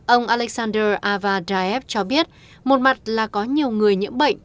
ông alexander avadayev cho biết một mặt là có nhiều người nhiễm bệnh